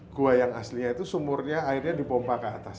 gua yang aslinya itu sumurnya airnya dipompa ke atas